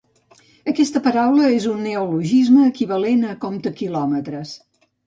Aquesta paraula és un neologisme equivalent a comptaquilòmetres.